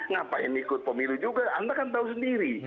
ngapain ikut pemilu juga anda kan tahu sendiri